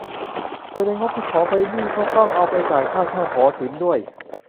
โดยในงบที่ขอไปนี่ก็ต้องเอาไปจ่ายค่าเช่าหอศิลป์ด้วย